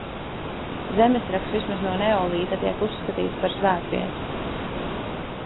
Zemesrags vismaz no neolīta tiek uzskatīts par svētvietu.